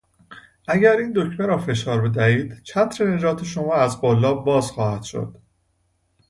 اگر این دکمه را فشار بدهید چتر نجات شما از قلاب باز خواهد شد.